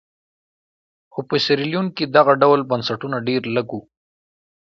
خو په سیریلیون کې دغه ډول بنسټونه ډېر لږ وو.